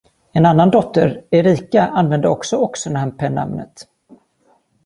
En annan dotter, Erica, använde också Oxenham-pennamnet.